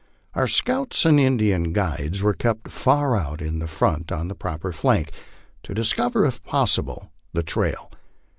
Our scouts and Indian guides were kept far out in front and on the proper flank, to discover, if possible, the trail.